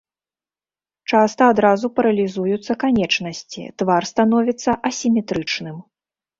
Часта адразу паралізуюцца канечнасці, твар становіцца асіметрычным.